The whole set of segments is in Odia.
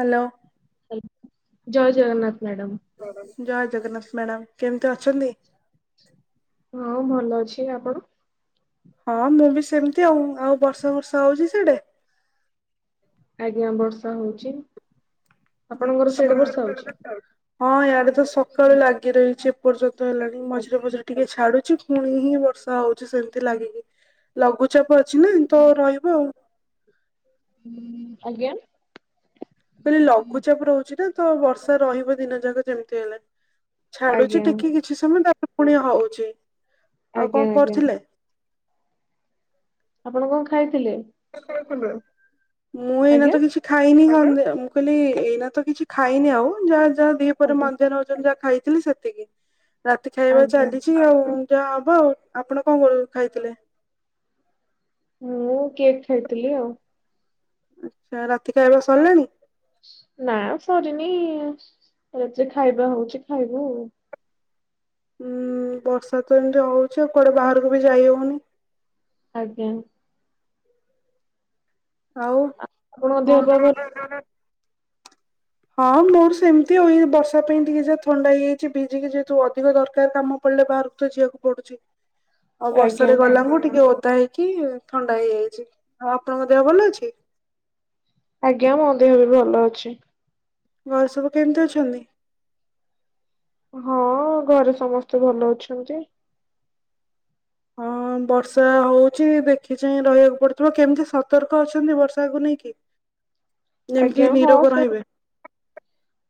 ହ୍ୟାଲୋ। ଜୟ ଜଗନ୍ନାଥ। ମ୍ୟାଡାମ ଜୟ ଜଗନ୍ନାଥ ମ୍ୟାଡାମ କେମିତି ଅଛନ୍ତି? ହଁ, ଭଲ ଅଛି। ଆପଣ? ହଁ ମୁଁ ବି ସେମିତି ଆଉ ଆଉ ବର୍ଷା ଫର୍ଷା ହଉଛି ସାଢେ଼। ଆଜ୍ଞା ବର୍ଷା ହଉଚି। ଆଛା ହଁ ୟାଡେ ତ ସକାଳୁ ଲାଗି ରହିଛି ଏପର୍ଯ୍ୟ ନ୍ତ ହେଲାଣି ମଝିରେ ମଝିରେ ଟିକେ ଛାଡୁଛି ପୁଣି ହିଁ ବର୍ଷା ହଉଛି ସେମିତି ଲାଗିକି। ଲଘୁଚାପ ଅଛି ନା ତ ରହିବ ଆଉ। ହୁଁ ଆଜ୍ଞା। କହିଲି ଲଘୁଚାପ ରହୁଛି ନା ତ ବର୍ଷା ରହିବ ଦିନ ଯାକ ଯେମିତି ହେଲେ ଛାଡୁଛି ଆଜ୍ଞା ଟିକି କିଛି ସମୟ ତା ପୁଣି ହଉଛି ଆଉ ଆଜ୍ଞା କଣ ଆଜ୍ଞା କରୁଥିଲେ? ଆପଣ କଣ ଖାଇଥିଲେ? ମୁଁ ଏଇନା ଆଜ୍ଞା ତ କିଛି ଖାଇନି କ ମୁଁ କହିଲି ଏଇନା ତ କିଛି ଖାଇନି ଆଉ ଯାହା ଯାହା ଦିହିପହରେ ଆଜ୍ଞା ମଞ୍ଜା ନ ହଉଛନ୍ତି ଯାହା ଖାଇ ଥିଲି ସେତିକି ରାତି ଖାଇବା ଆଜ୍ଞା ଚାଲିଛି ଆଉ ଯାହା ହବ ଆଉ ଆପଣ କଣ କରୁ ଖାଇଥିଲେ? ମୁଁ କେକ୍ ଖାଇଥିଲି ଆଉ। ଆଚ୍ଛା ରାତି ଖାଇବା ସରିଲାଣି? ନା ସରିନି ରାତିରେ ଖାଇବା ହଉଛି ଖାଇବୁ ଉ ଉଁ ଉଁ ବର୍ଷା ତ ଏମିତି ହଉଛି ଆଉ କୁଆଡେ ବାହାରକୁ ବି ଯାଇ ହଉନି। ଆଜ୍ଞା। ଆଉ ଆପଣଙ୍କ ଦେହ ପା କଣ ଭଲ [inaudible] ହଁ ମୋର ସେମିତି ଆଉଇ ବର୍ଷା ପାଇଁ ଟିକେ ଯହା ଥଣ୍ଡା ହେଇଯାଇଛି ଭିଜିକି ଯେହେତୁ ଅଧିକ ଦରକାର କାମ ପଡ ହେଲେ ବାହାରୁ ତ ଯିବାକୁ ପଡୁଚି ଆଉ ଆଜ୍ଞା ବର୍ଷାରେ ଗଲା ଖୁଣୁ ଟିକେ ଓ ଓଦା ହେଇକି ଥଣ୍ଡା ହେଇଯାଇଛି ଆଉ ଆପଣଙ୍କ ଦେହ ଭଲ ଅଛି। ଆଜ୍ଞା ମୋ ଦେହ ବି ଭଲ ଅଛି। ଘରେ ସବୁ କେମିତି ଅଛନ୍ତି? ହଁ ଘରେ ସମସ୍ତେ ଭଲ ଅଛନ୍ତି। ହଁ। ହଁ ବର୍ଷା ହଉଚି ଦେଖି ଚାାଇଁ ରହିବାକୁ ପଡୁଥିବ କେମିତି ସତର୍କ ଅଛନ୍ତି ବର୍ଷାକୁ ନେଇକି ଆଜ୍ଞା ଯେମିତି ହଁ ନିରୋଗ ସେ ରହିବେ।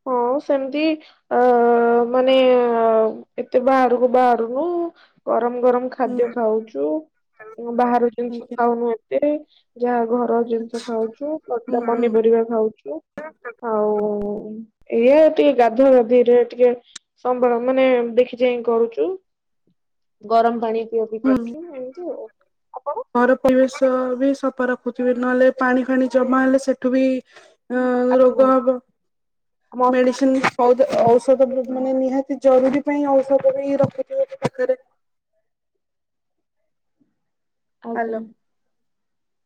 ହଁ ସେମିତି ଅ ମାନେ ଏତେ ବାହାରକୁ ବାହାରୁନୁ। ଗରମ। ଗରମ ହୁଁ। ଖାଦ୍ୟ ଖାଉଚୁ, ବାହାର ଜିନିଷ ଆଜ୍ଞା ଖାଉନୁ ଏତେ ଯାହା ଘ ର ଜିନିଷ ଖାଉଚୁ, ହୁଁ ତଟକା ହୁଁ ପନିପରିବା ଖାଉଚୁ ଆଉ ଏଇଆ ଟିକେ ଗାଧା ଗାଧିରେ ଟିକେ ସମ୍ବଳ ମାନେ ଦେଖି ଚାହିଁ କରୁଚି। ଗରମ ପାଣି। ପିଆ ପିଇ କରୁଛୁ [unintelligible] ଏମିତି ଆଉ ଆପଣ ଘର ପରିବେଶ ବି ସତ ଫା ରଖୁଥିବେ ନହେଲେ ପାଣି ଫାଣି ଜମା ହେଲେ ସେଠୁ ବି ହ ରୋଗ ଆଜ୍ଞା ହବ ମସଲା ମେଡିସିନ ଔଷ ଔଷଧ ଗ୍ରୁ ମାନେ ନି ହାତି ଜରୁରୀ ପାଇଁ ଔଷଧ ବିି ରଖୁଥିବେ ପାଖରେ। ଆଜ୍ଞା।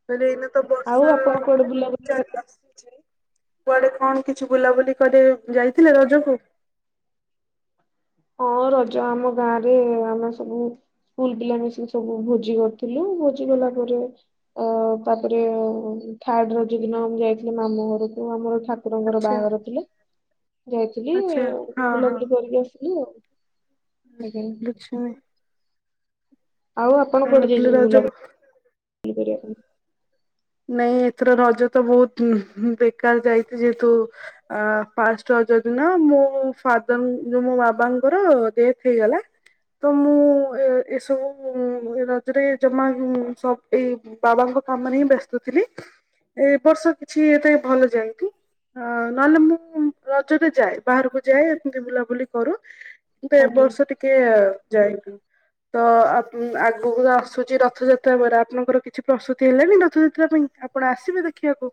ମାନେ ଏଇନ ତ ଆଉ ବର୍ଷା ଆପଣ କୁଆଡେ ବୁଲାବୁଲି ଚାର ଆସିଚି। କୁଆଡେ କଣ କିଛି ବୁଲାବୁଲି କରି ଯାଇଥିଲେ ରଜକୁ? ହଁ ରଜ ଆମ ଗାଁ ରେ ଆମେ ସବୁ ସ୍କୁଲ ପିଲା ମିଶିକି ସବୁ ଭୋଜି କରିଥିଲୁ ଭୋଜି କଲା ପରେ ଅ ତାପରେ ଥାର୍ଡ ରଜ ଦିନ ଆମ ଯାଇଥିଲି ମାମୁ ଘରକୁ ଆମର ଠା କୁରଙ୍କର ଆଚ୍ଛା ବାହାଘର ଥିଲେ, ଯାଇଥିଲି ଆଚ୍ଛା ବୁଲାବୁଲି କରିକି ଆସିଲି ଆଉ। ଆଜ୍ଞା ଲୁଚ୍ଛଇ। ଆଉ ଆପଣ କୋଉଠି ଯାଇଚନ୍ତି ରଜ ବୁଲାବୁଲି? ୟେ କରିବାକୁ ନାଇଁ ଏଥର ରଜ ତ ବହୁତ ବେକାର ଯାଇଚି ଯେହେତୁ ଆ ପାଷ୍ଟ ଯଉ ଦିନ ମୁ ଫାଦର ଯ ମୋ ବାବାଙ୍କର ଡେଥ ହେଇଗଲା। ତ ମୁଁ ଏ ଏସବୁ ରଜରେ ଜମା ସବ ଏଇ ବାବାଙ୍କ ଙ୍କ କାମରେ ହିଁ ବ୍ୟସ୍ତ ଥିଲି ଏ ବର୍ଷ କିଛି ଏତେ ଭଲ ଯାଇନି। ଅ ନହେଲେ ମୁଁ ରଜରେ ଯାଏ ବାହାରକୁ ଯାଏ ଏମତି ବୁଲାବୁଲି କରୁ। କିନ୍ତୁ ଏବ ଆଜ୍ଞା। ବର୍ଷ ଟିକେ ଯାଇନୁ। ତ ଆ ଆଗକୁ ଆସୁଚି ରଥଯାତ୍ରା ପରେ ଆପଣଙ୍କର କିଛି ପ୍ରସ୍ତୁତି ହେଲାଣିି ରଥଯାତ୍ର ଆ ପାଇଁ ଆପଣ ଆସିବେ ଦେଖିବାକୁ?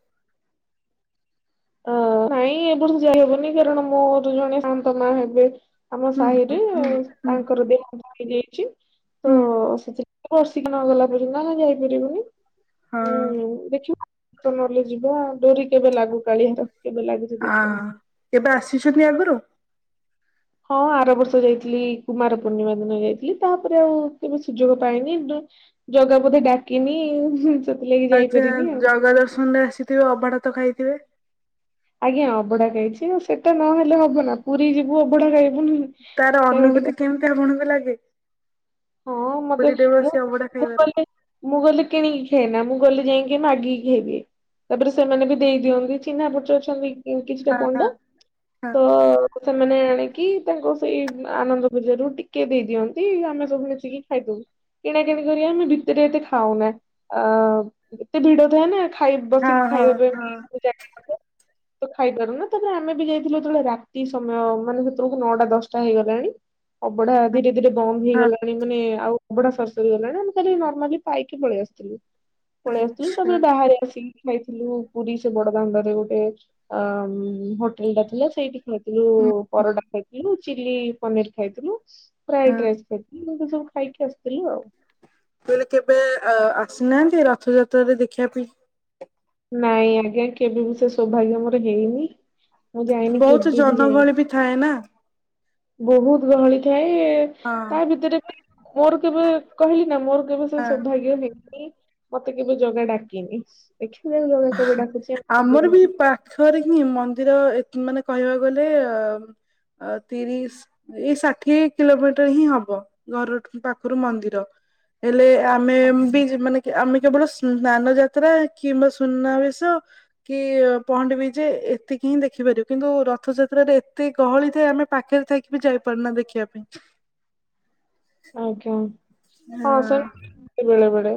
ହ ନାଇଁ ଏ ବର୍ ଯାଇ ହବନି କାରଣ ମୋର ଜଣେ ଶାନ୍ତ ମା ହେବେ ଆମ ହୁଁ ସାହିରେ ହୁଁ ହୁଁ ତାଙ୍କର ଦେଥ ହେଇଯାଇଚି ତ ହୁଁ ସେଥି ବର୍ଷିକ ନ ଗଲା ପର୍ଯ୍ୟନ୍ତ ଆମେ ଯାଇପାରିବୁନି ହୁଁ ଦେଖିବା। ତ ନହେଲେ ଯିବା ଆଉ ଡୋରି କେବେ ଲାଗୁ କାଳିଆର କେବେ ଲାଗୁଚି ଦେଖିବା। ଶିଶନି ଆଗରୁ? ହଁ ଆର ବର୍ଷ ଯାଇଥିଲି କୁମାର ପୂର୍ଣ୍ଣିମା ଦିନ ଯାଇଥିଲି ତାପରେ ଆଉ କେବେ ସୁଯୋଗ ପାଇନି। ଜଗା ବୋଧେ ଡାକିନି। ସେଥିଲାଗି ଆଚଛା ଯାଇପାରିନି ଆଉ ଜଗା ଦର୍ଶନ ରେ ଆସିଥିବେ ଅଭଢା ତ ଖାଇଥିବେ? ଆଜ୍ଞା ଅଭଢା ଖାଇଚି, ଆଉ ସେଟା ନହେଲେ ହବ ନା ପୁରୀ ଯିବୁ ଅଭଢଡା ଖାଇବୁ ନୁ। ତାର ଅନୁଭୂତି କେମିତି ଆପଣଙ୍କୁ ଲାଗେ? ହଁ ମତେ ପୁରୀରେ ମୁଁ ବସି ଅବଢା ମୁଁ ଖାଇବାରେ? କ ମୁଁ ଗଲେ କିଣିକି ଖାଏନା। ମୁ ଗଲି ଯାଇକି ମାଗିକି ଖାଇଦିଏ। ତାପରେ ସେମାନେ ବି ଦେଇ ଦିଅନ୍ତି ଚିହ୍ନାପରିଚିତ ଅଛନ୍ତି। ଏ କିଛିଟା ପଣ୍ଡା ହଁ ତ ସେମାନେ କି ତାଙ୍କ ସେଇ ଆନନ୍ଦ ବଜାର ରୁ ଟିକେ ଦେଇ ଦିଅନ୍ତି ଆମେ ମିି ଲୁଚିକି ଖାଇଦଉ, କିଣାକିଣି କରି ଆମେ ଭିତରେ ଏତେ ଖାଉନା। ଆ ଏତେ ଭିଡ ଥାଏ ନା। ଖାଇ ବସିକି ହଁ ହଁ ହଁ ଖାଇବା ପାଇଁ, ହଁ ହଁ ଏ ଜାଗା ହବ। [inaudible] ଖାଇପାରୁ ନା ତାପରେ ଆମେ ବି ଯାଇଥିଲୁ ଯେତେବେଳେ ରାତି ସମୟ ମାନେ ସେତେବେଳକୁ ନଅଟା ଦଶଟା ହେଇଗଲାଣି। ଅବଢା ଆଦିରେ ରାତିରେ ବନ୍ଦ ହଁ। ହେଇଗଲାଣି ମାନେ ଆଉ ଅବଢା ସରି ସରି ଗଲାଣି ଆମେ କାଲି ନର୍ମାଲି ପାଇକି ପଳେଇ ଆସିଥିଲୁ। ପଳେଇ ଆସିଥିଲି ଆଚ୍ଛା ତାପରେ ବାହାରେ ଆସିକି ଖାଇ ଥିଲୁ ପୁରୀ ସେ ବଡଦାଣ୍ଡରେ ଗୋଟେ ଅ ମଁ ହୋଟେଲ ଟା ଥିଲା ସେଇଠି ଖାଇଥିଲୁ ହୁଁ ପରଟା ଖାଇଥିଲୁ ଚିଲ୍ଲୀ ପନିର ଖାଇଥିଲୁ। ହଁ ଫ୍ରାଇଡ ରାଇସ୍ ଖାଇଥିଲୁ ଏମିତି ସବୁ ଖାଇକି ଆସିଥିଲୁ ଆଉ। ମୁଁ କହିଲି କେବେ ଅ ଆସିନାହାନ୍ତି ରଥଯାତ୍ରରେ ଦେଖିବା ପାଇଁ? ନାଇଁ ଆଜ୍ଞା କେବେ ବି ସେ ସୌଭାଗ୍ୟ ମୋର ହେଇନି। ମୁଁ ଯାଇନି ବହୁତ କେବେ ବି ଯାଇନି। ଜନଗହଳି ଥାଏ ନା। ବହୁତ ଗହଳି ଥାଏ ବେ ହଁ ତା ଭିତରେ ବି ମୋର କେବେ କହିଲି ନା ମୋର କେବେ ସେ ହଁ ସୌଭାଗ୍ୟ ହେଇନି। ମତେ କେବେ ଜଗା ଡାକିନି। ଦେଖିବା ଜଗା କେବେ ଡାକୁଛି ଆମେ କେବେ ଆମର ବି ଯିବୁ ପାଖରେ ହିଁ ମନ୍ଦିର ଏ କି ମାନେ କହିବାକୁ ଗଲେ ଅ ଅ ତିରିଶ ଏଇ ଷାଠିଏ କିଲୋମିଟର ହିଁ ହବ ଘରଠୁ ପାଖରୁ ମନ୍ଦିର। ହେଲେ ଆମେ ବି ଯି ମାନେ ଆମେ କେବଳ ସ ସ୍ନାନ ଯାତ୍ରା କିମ୍ବା ସୁ ସୁନାବେଶ କି ପହଣ୍ଡି ବିଜେ ଏତିକି ହିଁ ଦେଖିପାରିବ କିନ୍ତୁ ରଥଯାତ୍ରାରେ ଏତେ ସେ ଗହଳି ଥାଏ ଆମେ ପାଖରେ ଥକି ବି ଯାଇପାରୁନା ଦେଖିବା ପାଇଁ। ଆଜ୍ଞା ହଁ ସେମିତି ବେଳେବେଳେ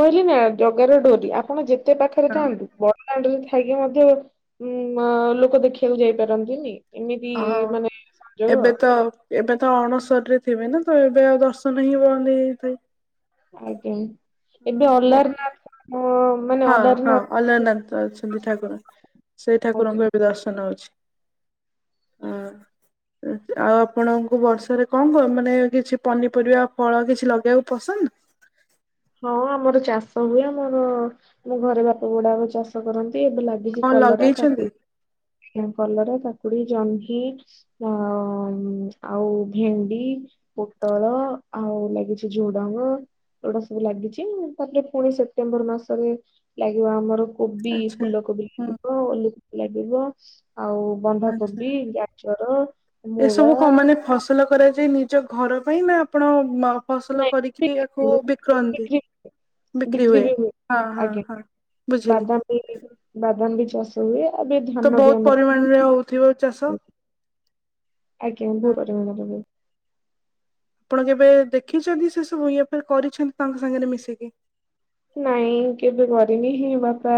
କହିଲି ନା ଜଗାର ଡୋରି ଆପଣ ଯେତେ ପାଖରେ ହଁ ଥାନ୍ତୁ ବଡଦାଣ୍ଡରେ ଥା ଥାଇକି ମଧ୍ୟ ଉଁ ଲୋକ ଦେଖିବାକୁ ଯାଇପାରନ୍ତିନି। ଏମିତି ହଁ ମାନେ ସଂଯୋଗ ଏବେ ତ ଏବେ ତ ଅଣସରରେ ଥିବେ ନା ତ ଏବେ ଆଉ ଦର୍ଶନ ହିଁ ବନ୍ଦ ହେଇଯାଇଥାଏ। ଆଜ୍ଞା ଏବେ ଅଲାରନାଥ ଙ୍କ ହଁ ହଁ ଅଲରନାଥ ଅଛନ୍ତି ଠାକୁର ସେଇ ଆଜ୍ଞା ଠାକୁରଙ୍କୁ ଏବେ ଦର୍ଶନ ନଉଚି ହଁ ଏ ଆଉ ଆପଣଙ୍କୁ ବର୍ଷାରେ କଣ କ ମାନେ କିଛି ପନିପରିବା ଫଳ କିଛି ଲଗେଇବାକୁ ପସନ୍ଦ? ହଁ [inaudible] ହଁ ଆମର ଚାଷ ହୁଏ ଆମର ଆମ ଘରେ ବାପା ବଡବାପା ଚାଷ କରନ୍ତି। ଏବେ ଲାଗିଚି କଣ କଲରା ଲଗେଇଛନ୍ତି କାକୁଡ଼ି ଆଜ୍ଞା କଲରା କାକୁଡି। କକୁଡି ଜହ୍ନି ଆଉ ଆଉ ଭେଣ୍ଡି ପୋଟଳ ଆଉ ଲାଗିଛି ଝୁଡଙ୍ଗଫ ଏଗୁଡା ସବୁ ସବୁ ଲାଗିଛି ତାପରେ ପୁଣି ସେପ୍ଟେମ୍ବର ମାସରେ ଲାଗିବ ଆମର କୋବି ଆଚ୍ଛା ଫୁଲକୋବି ହୁଁ ଲାଗିବ ଉଲୁକୋବି ଲାଗିବ ଆଉ ଆଚ୍ଛା ବନ୍ଧାକୋବି ଗାଜର ମୂଳା ଆ ଯେ ନିଜ ଘର ପାଇଁ ନା ଆପଣ ମ ଫସଲ ନାଇଁ କରିକି ବିକ୍ରି ଆକୁ ହୁଏ, ବିକନ୍ତି? ବିକ୍ରି ବିକ୍ରି ହୁଏ ହଁ ହଁ ଆଜ୍ଞା ହ ବୁଝିଲି। ବାଦାମ ବି ବାଦାମ ବି ଚାଷ ହୁଏ ଏବେ ତ ଧାନ ବି ବହୁତ ଆମର ପରିମାଣରେ ହଉଥିବ ଚାଷ? ଆଜ୍ଞା ହଁ ବହୁତ ପରିମାଣ ରେ ହୁଏ। ଆପଣ କେବେ ଦେଖିଛନ୍ତି ସେ ସବୁ ଇଏ ଫିର କରିଛନ୍ତି ତାଙ୍କ ସାଙ୍ଗରେ ମିଶିକି? ନାଇଁ କେବେ କରିନିିଁ ବାପା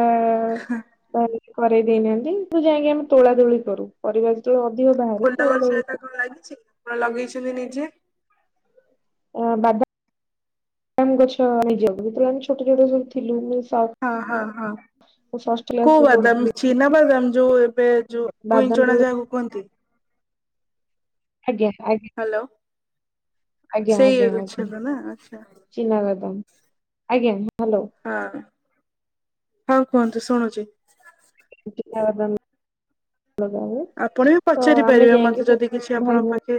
ତାଲ କରେଇ ଦେଇନାହାନ୍ତି ତ ଯାଇଁକି ଆମେ ତୋଳା ତୋଳି କରୁ ପରିବା ଯେତେବେଳେ ଅଧ ଫୁଲ ଗଛ ହେରିକା କଣ ଲାଗିଛି ଆପଣ ଲଗେଇଛନ୍ତି ନିଜେ? ଅ ବାଦାମ ବାଦାମ ଗଛ ନିଜ ଯେତେବେଳେ ଆମେ ଛୋଟ ଛୋଟ ସବୁ ଥିଲୁ ଷ- ହଁ ହଁ ହଁ। ମୁଁ ଷଷ୍ଠ କ୍ଲାସ କୋଉ ରେ ବାଦାମ ପଢୁଥିଲି ଚିନା ବାଦାମ ଯୋଉ ଏବେ ଯୋଉ ପୁଇଁ ବାଦାମ ଚଣା ତୋଳା ଯାହାକୁ କୁହନ୍ତି?? ଆଜ୍ଞା ଆଜ୍ଞା। ହ୍ୟାଲୋ ଆଜ୍ଞା ସେଇ ଆଜ୍ଞା ଆଜ୍ଞା ଅଛନ୍ତି ନା ଆଚ୍ଛା। ଚିନା ବାଦାମ ଆଜ୍ଞା ହ୍ୟାଲୋ। ହଁ। ହଁ କୁହନ୍ତୁ ଶୁଣୁଚି ଚିନା ବାଦାମ ଆପଣ ବି ପଚାରି ପାରିବେ ଯାଇକି ମତେ ଯଦି କିଛି ସବୁ ଭାଇ ଆପଣଙ୍କ ଭଉଣୀ ପାଖେ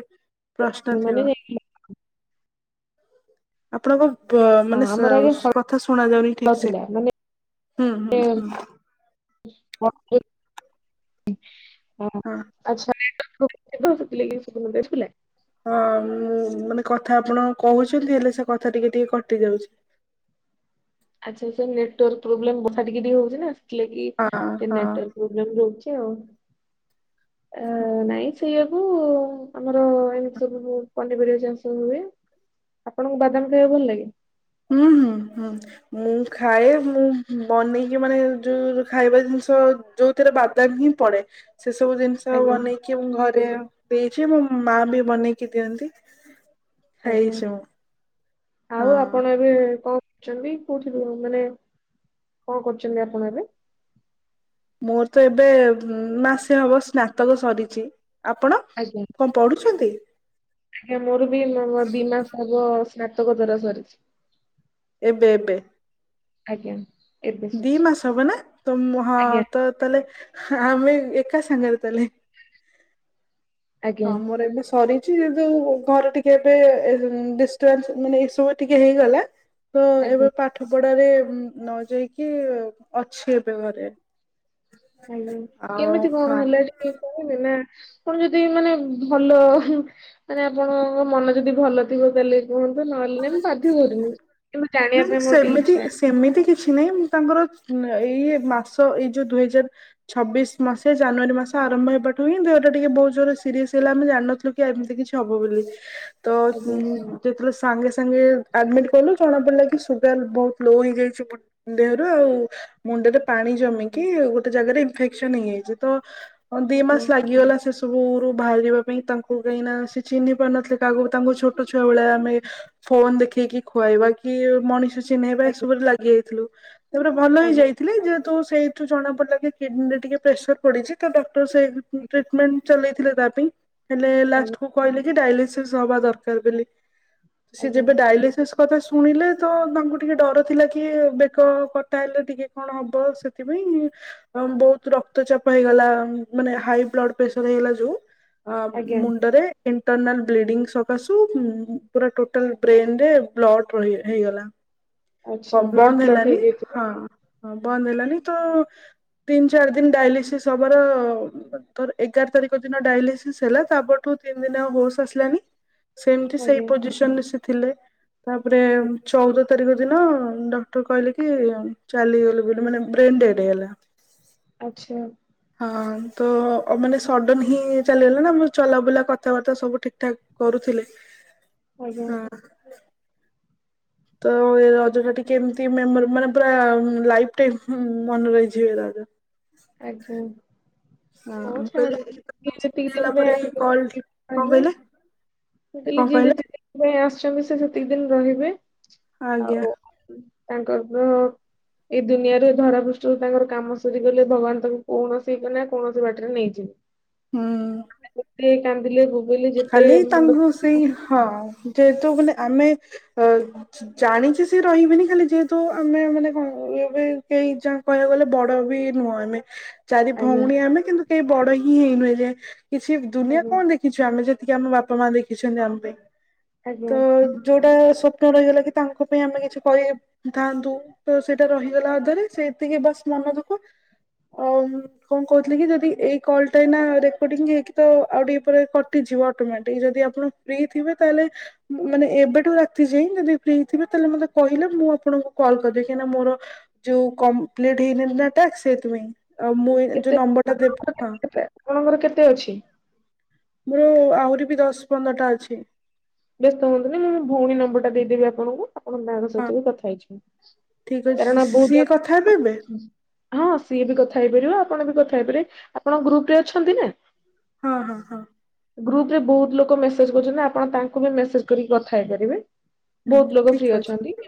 ପ୍ରଶ୍ନ ମାନେ ଥିବ ଯାଇକି ଆପଣ କଣ? ତ ହଁ ମାନେ ଆମର ଆଗେ ଶୁ ହଳ କଥା ଶୁଣା ଯାଉନି ଠିକ୍ ସେ ଥିଲା ମାନେ ହୁଁ ହୁଁ ହୁଁ। [unintelligible] [unintelligible] ହଁ। ସେଥିଲାଗି [unintelligible] ହଁ ଉ ମାନେ କଥା ଆପଣ କହୁଛନ୍ତି ହେଲେ ସେ କଥା ଟିକେ ଟିକେ କଟି ଯାଉଛି। [inaudible] ଆଜି ତ ନେଟୱାର୍କ ପ୍ରୋବେଲମ୍ ବର୍ଷା ଟିକେ ଟିକେ ହଉଛି ନା ସେଥି ଲାଗି ହଁ ହଁ। ନେଟୱାର୍କ ପ୍ରୋବେଲମ ହଉଛି। ଉ ଅ ନାଇଁ ହେଲେ ବି ଆମର ଏମିତି ସବୁ ପନିପରିବା ଚାଷ ହୁଏ। ଆପଣଙ୍କୁ ବାଦାମ ଖାଇବା ଭଲ ଲାଗେ? ହୁଁ ହୁଁ ହୁଁ ମୁଁ ଖାଏ ମୁଁ ବନେଇକି ମାନେ ଯୋଉ ଖାଇବା ଜିନିଷ ସୋ ଯୋଉଥିରେ ବାଦାମ ହିଁ ପଡେ। ସେ ସବୁ ଜିନିଷ ଆଜ୍ଞା ବନେଇକି ମୁଁ ଘରେ ଦେଇଛି ମୋ ମା ବି ବନେଇକି ଦିଅନ୍ତି। ଆଜ୍ଞା ଖାଇଛୁ? ଆଉ ଆପଣ ଏବେ କଣ କରୁଛନ୍ତି କୋଉଠି ମାନେ କଣ କରୁଛନ୍ତି ଆପଣ ଏବେ? ମୋର ତ ଏବେ ମାସେ ହବ ସ୍ନାତକ ସରିଛି। ଆପଣ କଣ ପଢୁଛନ୍ତି? ମୋ ମୋର ବି [unintelligible] ସ୍ନାତକ ଦ୍ଵାରା ସରିଛି। ଏବେ ଏବେ। ଆଜ୍ଞା। ଏବେ ଦି ସରିଛି ମାସ ହବ ନା ତ ମ୍ ହଁ ଆଜ୍ଞା ତ ତାହେଲେ ହ ଆମେ ଏକା ସାଙ୍ଗେରେ ତାହେଲେ। ଆଜ୍ଞା ହଁ ମୋର ଏବେ ସରି ଛି ଯୋଉ ଘରେ ଟିକେ ଏବେ ମ୍ ଡିଷ୍ଟରବାନ୍ସ ମାନେ ଏସବୁ ଟିକେ ହେଇଗଲା। ତ ଆଜ୍ଞା। ଏବେ ପାଠ ପଢାରେ ନ ଯାଇକି ଅଛି ଏବେ ଘରେ। ହୁଁ ଆଉ କେମିତି କଣ ହଁ ହେଲା ଟିକେ କହିବେ ନା କଣ ଯଦି ମାନେ ଭଲ ମାନେ ଆପଣଙ୍କ ମନ ଯଦି ଭଲ ଥିବ ତାହେଲେ କୁହନ୍ତୁ ନହେଲେ ମୁଁ ବାଧ୍ୟ କରୁନି କିନ୍ତୁ ଜାଣିବା ନାଇଁ ପାଇଁ ମୋର ଟିକେ ସେମିତି ଇଚ୍ଛା। ସେମିତି କିଛି ନାହିଁ ମୁଁ ତାଙ୍କର ଏଇ ମାସ ଏଇ ଯୋଉ ଦୁଇ ହଜାର ଛବିଶ ମସିହା ଜାନୁଆରୀ ମାସ ଆରମ୍ଭ ହେବାଠୁ ହିଁ ଦେହଟା ଟିକେ ବହୁତ ଜୋର ସିରିୟସ ହେଲା ଆମେ ଜାଣିନଥିଲୁ କି ଏମିତି କିଛି ହବ ବୋଲି। ତ ଆଜ୍ଞା ଉଁ [unintelligible] ସାଙ୍ଗେ ସାଙ୍ଗେ ଆଡ଼ମିଟ୍ କଲୁ ଜଣାପଡ଼ିଲା କି ସୁଗାର ବହୁତ ଲୋ ହେଇଯାଇଛି ବଅ ଦେହରୁ ଆଉ। ମୁଣ୍ଡରେ ପାଣି ଯମିକି ଗୋଟେ ଜାଗାରେ ଇନଫେକ୍ସନ ହେଇଯାଇଛି ତ ହଁ ଦି ମାସ ଲାଗିଗଲା ସେ ସବୁରୁ ବାହାରିବା ପାଇଁ ତାଙ୍କୁ କାଇ ନା ସେ ଚିହ୍ନି ପାରୁନଥିଲେ। ଆଗରୁ ତାଙ୍କୁ ଛୋଟ ଛୁଆ ଭଳିଆ ଆମେ ଫୋନ ଦେଖେଇକି ଖୁଆଇବା କି ମଣିଷ ଚିହ୍ନେଇବା ଏସବୁରେ ଲାଗି ଯାଇଥିଲୁ ତାପରେ ଭଲ ଆଜ୍ଞା ହେଇ ଆଜ୍ଞା ଯାଇଥିଲେ ଯେହେତୁ ସେଇଠୁ ଜଣା ପଡ଼ିଲା କି କିଡନୀରେ ଟିକେ ପ୍ରେସର ପଡିଛି ତ ଡକ୍ଟର ସେଇ ଆଜ୍ଞା। ଟ୍ରିଟମେଣ୍ଟ ଚଲେଇଥିଲେ ତା ପାଇଁ। ହେଲେ ଆଜ୍ଞା ଲାଷ୍ଟ କୁ କହିଲେ କି ଡାଇଲିସିସ୍ ହବା ଦରକାର ବୋଲି ସ ଆଜ୍ଞା ଯେବେ ଡାଇଲିସିସ୍ କଥା ଶୁଣିଲେ ତ ତାଙ୍କୁ ଟିକେ ଡର ଥିଲା କି ବେକ କଟା ହେଲେ ଟିକେ କଣ ହବ ସେଥିପାଇଁ। ଉ ବହୁତ ରକ୍ତଚାପ ହେଇଗଲା ମାନେ ହାଇ ବ୍ଲଡ ପ୍ରେସର ହେଇଗଲା ଯୋଉ ଅ ଆଜ୍ଞା ଆଜ୍ଞା। ମୁଣ୍ଡରେ ଇଣ୍ଟରନାଲ ବ୍ଲିଡିଙ୍ଗ ସକାଶୁ ଉମ୍ ପୁରା ଟୋଟାଲ ବ୍ରେନରେ ବ୍ଲଡ଼ ହେଇଗଲା। କ ଆଚ୍ଛା ବ୍ଲଡ ବନ୍ଦ କ୍ଲଟ ହେଲାନି ହେଇଯାଇଥିବ ହଁ ହ ବନ୍ଦ ହେଲାନି ତ ତିନି ଚାରି ଦିନ ଡାଇଲିସିସ୍ ହବାର ତର ଏଗାର ତାରିଖ ଦିନ ଡାଇଲିସିସ୍ ହେଲା ତାପରଠୁ ଏବେ [unintelligible] ହୋସ ଆସିଲାଣି। ସେମତି ସେଇ ଆଜ୍ଞା। ପୋଜିସନରେ ସେ ଥିଲେ ତାପରେ ଆଜ୍ଞା। ଚଉଦ ତାରିଖ ଦିନ ଡକ୍ଟର କହିଲେ କି ଚାଲିଗଲେ ବୋଲି ମାନେ ବ୍ରେନ ଡେଟ୍ ହେଇଗଲା। ଆଚ୍ଛା। ହଁ ତ ମାନେ ସଡନ ହିଁ ଚାଲିଗଲା ନା ମ ଚଲାବୁଲା କଥାବାର୍ତ୍ତା ସବୁ ଠିକଠାକ୍ କରୁଥି ଆଜ୍ଞା ହଁ। ତ ଏ ରଜଟା ଟିକେ ଏମତି ମେମୋରି-ମାନେ ପୁରା ଲାଇଫ ଟାଇମ୍ ମନେ ରହିଯିବ। ହ। ଆଜ୍ଞା। ମୁଁ ହ କହିଲି ଦଶ ଡତି ମିନିଟ ହେଲା ପରେ କଲ କଣ କହିଲେ [unintelligible] ମୁ କହିଲି କଣ ଯିଏ କହିଲେ ଯେତିକି ଦିନ ପାଇଁ ଆସିଛନ୍ତି, ସେ ସେତିକି ଦିନ ରହିବେ ଆଜ୍ଞା ଆଉ। ତାଙ୍କର ପୋ ଏଇ ଦୁନିଆରେ ଧରାବୃଷ୍ଟିରୁ ତାଙ୍କର କାମ ସରିଗଲେ ଭଗବାନ ତାଙ୍କୁ କଣସି ନା କୌଣସି ବାଟରେ ନେଇଯିବେ। ହୁଁ। ଯେତେ କାନ୍ଦିଲେ ବୋବେଇଲେ ଯେତେ ଖାଲି ମୁଣ୍ଡ ତାଙ୍କୁ ସେଇ ହଁ। ଯେହେତୁ ମାନେ ଆମେ ଅ-ଜାଣିଛୁ ସେ ରହିବେନି ଖାଲି ଯେହେତୁ ଆମେ ମାନେ କଣ? ଏ ବି କେହି ଯା କହିବାକୁ ଗଲେ, ବଡ ବି ନୁହଁ ଆମେ। ଚାରି ଆଜ୍ଞା ଭଉଣୀ ଆମେ କିନ୍ତୁ କେହି ବଡ ହିଁ ହେଇନୁ ଏ ଯାଏ କିଛି ଦୁନିଆ ଆଜ୍ଞା କଣ ଦେଖିବୁ। ଆମେ ଯେତିକି ଆମ ବାପା ମା ଦେଖିଛନ୍ତି ଆମ ପାଇଁ, ତ ଆଜ୍ଞା ଯୋଉଟା ସ୍ୱପ୍ନ ରହିଗଲା କି ତାଙ୍କ ପାଇଁ ଆମେ କିଛି କରିଥାନ୍ତୁ, ତ ସେଇଟା ରହିଗଲା ଅଧାରେ ସେତିକି ବାସ। ମନ ଦୁଖ। ଆ କଣ କହୁଥିଲି କି ଯଦି ଏଇ କଲ ଟା ଏଇନା ରେକର୍ଡିଂ ହେଇଥିବ। ତ ଆଉ ଟିକେ ପ ଗୋଟେ ଝିଅ ପିଲାଟେ ଯଦି ଆପଣ ଫ୍ରି ଥିବେ, ତାହେଲେ ମାନେ ଏବେଠୁ ରାତି ଯାଏଁ ଯଦି ଫ୍ରି ଥିବେ ତାହେଲେ ମତେ କହିଲେ ମୁଁ ଆପଣଙ୍କୁ କଲ୍ କରିଦେବି କାହିଁକିନା ମୋର, ଯୋଉ କପ୍ଲିଟ ହେଇନି ନା ଟାସ୍କ ସେଇଥିପାଇଁ। ଆ ମୁଇ ଯୋଉ କେତେ ନମ୍ବର ଟା ଦେବୀ ହଁ। ଆପଣଙ୍କର କେତେ ଅଛି? ମୋର ଆହୁରି ବି ଦଶ ପନ୍ଦରଟା ଅଛି। ବ୍ୟସ୍ତ ହୁଅନ୍ତୁନି, ମୁଁ ମୋ ଭଉଣୀ ନମ୍ବର ଟା ଦେଇଦେବି ଆପଣଙ୍କୁ। ଆପଣ ମାଡାମ୍ ହଁ ସହିତ ବି କଥା ହେଇଯିବେ। ଠିକ ଅଛି କାରଣ ବହୁ ସିଏ କଥା ହେବେ ଜାଗ ଏବେ ହଁ ସିଏ ବି କଥା ହେଇପାରିବ। ଆପଣ ବି କଥା ହେଇ ପାରିବେ। ଆପଣ ଗ୍ରୁପ ରେ ଅଛନ୍ତି ନା? ହଁ, ହଁ, ହଁ। ଗ୍ରୁପ୍ ରେ ବହୁତ ଲୋକ ମେସେଜ୍ କରୁଛନ୍ତି। ଆପଣ ତାଙ୍କୁ ବି ମେସେଜ୍ କରିକି କଥା ହେଇପାରିବେ। ହୁଁ ବୋହୁତ୍ ଲୋକ ଠିକ ଫ୍ରି ଅଛି ଅଛନ୍ତି।